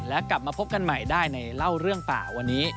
และกลับมาพบกันใหม่ได้ในเล่าเรื่องป่าวันนี้